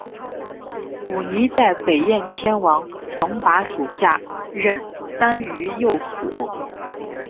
古泥在北燕天王冯跋属下任单于右辅。